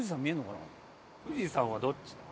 富士山はどっちだ？